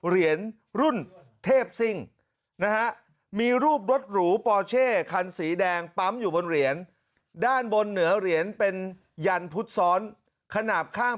เหรียญรุ่นเทพซิ่ง